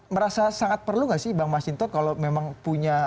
merasa sangat perlu nggak sih bang masintot kalau memang punya